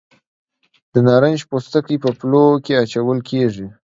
د نارنج پوستکي په پلو کې اچول کیږي.